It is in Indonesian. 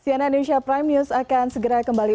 cnn indonesia prime news akan segera kembali